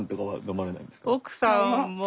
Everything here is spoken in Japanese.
奥さんも。